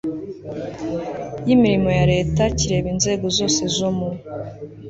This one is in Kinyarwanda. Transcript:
y imirimo ya leta kireba inzego zose zo mu